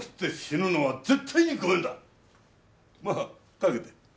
まあかけて。